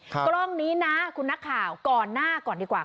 กล้องนี้นะคุณนักข่าวก่อนหน้าก่อนดีกว่า